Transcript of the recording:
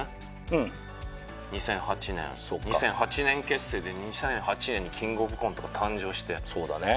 うんそうか２００８年２００８年結成で２００８年にキングオブコントが誕生してそうだね